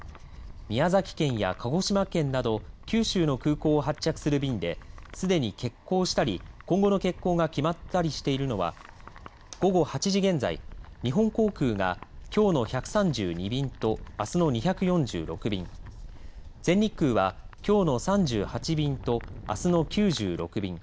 宮崎県や鹿児島県など九州の空港を発着する便ですでに欠航したり今後の欠航が決まったりしているのは午後８時現在、日本航空がきょうの１３２便とあすの２４６便全日空はきょうの３８便とあすの９６便。